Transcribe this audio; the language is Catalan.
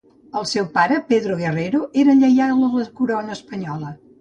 El seu pare, Pedro Guerrero, era lleial a la corona espanyola.